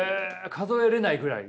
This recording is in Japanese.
数えれないぐらい？